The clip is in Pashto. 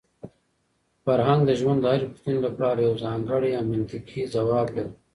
فرهنګ د ژوند د هرې پوښتنې لپاره یو ځانګړی او منطقي ځواب لري.